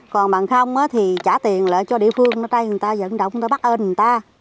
còn bằng không thì trả tiền lại cho địa phương ở đây người ta dẫn động người ta bắt ơn người ta